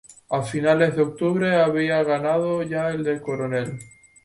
A finales de octubre había ganado ya el de coronel.